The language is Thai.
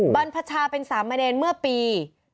บรรพชาเป็นสามแม่เดนเมื่อปี๒๔๖๖